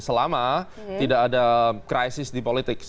selama tidak ada krisis di politik